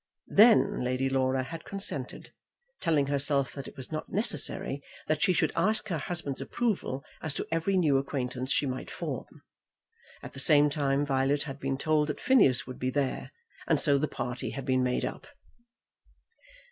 Then Lady Laura had consented, telling herself that it was not necessary that she should ask her husband's approval as to every new acquaintance she might form. At the same time Violet had been told that Phineas would be there, and so the party had been made up.